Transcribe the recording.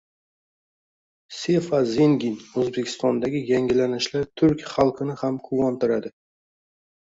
Sefa Zengin: O‘zbekistondagi yangilanishlar turk xalqini ham quvontiradi